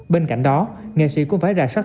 bên cạnh đó nghệ sĩ cũng phải ra sát